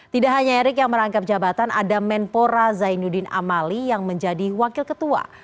tidak hanya erick yang merangkap jabatan ada menpora zainuddin amali yang menjadi wakil ketua